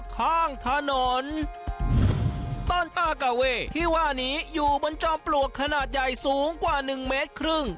ข้างถนนต้นอากาเว่ที่ว่านี้อยู่บนจอมปลวกขนาดใหญ่สูงกว่าหนึ่งเมตรครึ่ง